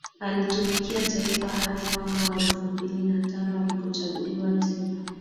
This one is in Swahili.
Alitumikia taifa hadi mwaka wa elfumbili na tano alipochaguliwa tena